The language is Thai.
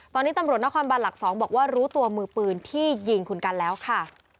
ตอนนี้ตำรวจนครบานหลัก๒บอกว่ารู้ตัวมือปืนที่ยิงคุณกันแล้วค่ะ